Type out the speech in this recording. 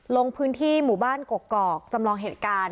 ลงพื้นที่หมู่บ้านกกอกจำลองเหตุการณ์